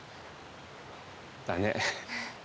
だね。